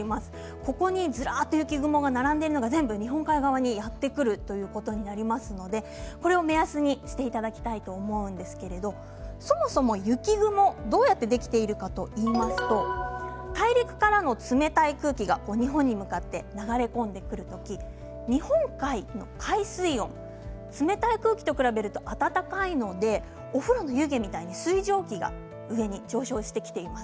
ここにずらっと雪雲が並んでいる外、日本海側にやってくるということになりますのでこれを目安にしていただきたいと思いますけれどそもそも雪雲、どうやってできているかといいますと大陸からの冷たい空気が日本に向かって流れ込んでくる時日本海の海水温冷たい空気と比べると暖かいのでお風呂の湯気みたいに水蒸気が上に上昇してきています。